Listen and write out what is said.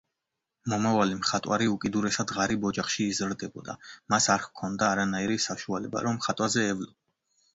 მომავალი მხატვარი უკიდურესად ღარიბ ოჯახში იზრდებოდა მას არ ჰქონდა არანაირი საშუალება რომ ხატვაზე ევლო.